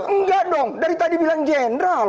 enggak dong dari tadi bilang jenderal